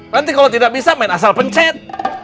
nanti kalau tidak bisa main asal pencet